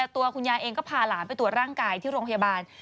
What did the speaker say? ตัวคุณยายเองก็พาหลานไปตรวจร่างกายที่โรงพยาบาล